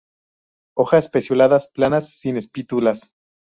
Hojas pecioladas, planas, sin estípulas.